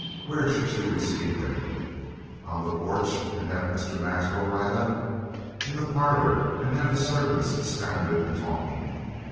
Where should she receive him? On the porch and have Mr. Maxwell ride up? In the parlor and have the servants astounded and talking?